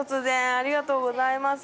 ありがとうございます。